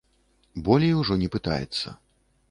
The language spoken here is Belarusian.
Болей ужо не пытаецца.